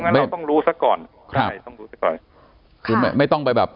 งั้นเราต้องรู้สักก่อนครับใช่ต้องรู้สักก่อนค่ะคือไม่ต้องไปแบบ